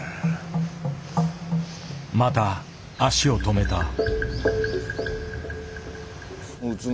また足を止めた。